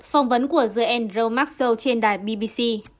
phòng vấn của the andrew maxwell trên đài bbc